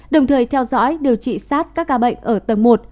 đồng thời theo dõi điều trị sát các ca bệnh ở tầng một